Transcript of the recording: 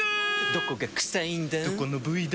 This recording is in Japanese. どこが臭いんだ？